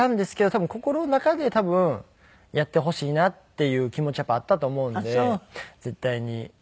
多分心の中でやってほしいなっていう気持ちはやっぱりあったと思うんで絶対に。